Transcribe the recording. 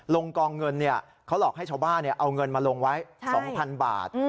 กองเงินเขาหลอกให้ชาวบ้านเอาเงินมาลงไว้๒๐๐๐บาท